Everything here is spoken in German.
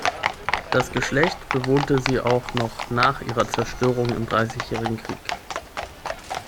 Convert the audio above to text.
Das Geschlecht bewohnte sie auch noch nach ihrer Zerstörung im Dreißigjährigen Krieg.